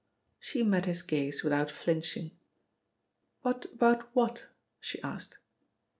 She met his gaze without flinching. "What about what?" she asked.